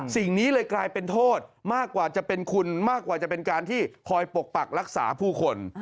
สิ่งนี้เลยกลายเป็นโทษมากกว่าจะเป็นคุณมากกว่าจะเป็นการที่คอยปกปักรักษาผู้คน